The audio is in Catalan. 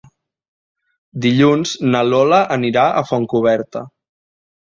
Dilluns na Lola anirà a Fontcoberta.